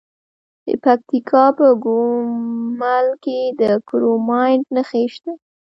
د پکتیکا په ګومل کې د کرومایټ نښې شته.